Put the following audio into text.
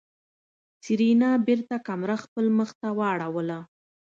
سېرېنا بېرته کمره خپل مخ ته واړوله.